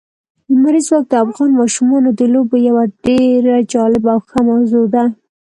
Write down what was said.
لمریز ځواک د افغان ماشومانو د لوبو یوه ډېره جالبه او ښه موضوع ده.